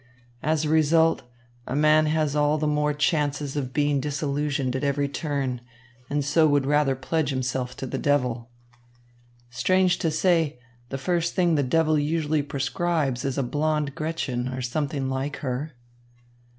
As a result, a man has all the more chances of being disillusioned at every turn, and so would rather pledge himself to the devil. Strange to say, the first thing the devil usually prescribes is a blonde Gretchen, or something like her."